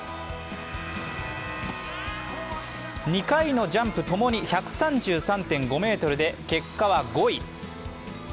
２回のジャンプともに１３３．５ｍで結果は５位。